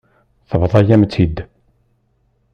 Tebḍa-yam-tt-id.